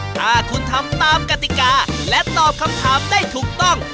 ถ้าคุณทำตามกติกาและตอบคำถามได้ถูกต้อง